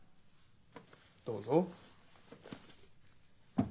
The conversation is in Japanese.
どうぞ。